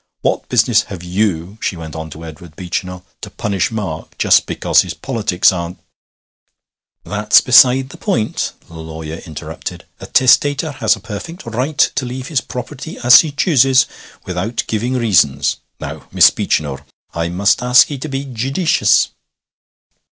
What business have you,' she went on to Edward Beechinor, 'to punish Mark just because his politics aren't ' 'That's beside the point,' the lawyer interrupted. 'A testator has a perfect right to leave his property as he chooses, without giving reasons. Now, Miss Beechinor, I must ask ye to be judeecious.'